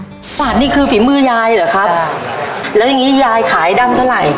ใช่ค่ะนี่คือฝีมือยายเหรอครับใช่แล้วยังงี้ยายขายดำเท่าไหร่